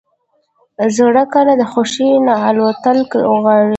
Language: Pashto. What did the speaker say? زړه کله د خوښۍ نه الوتل غواړي.